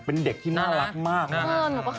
เป็นเด็กที่น่ารักมากมาก